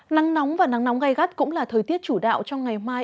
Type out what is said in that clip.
nắng nóng và nắng nóng gai gắt cũng là thời tiết chủ đạo trong ngày mai